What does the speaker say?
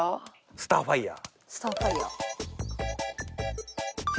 スターファイヤー。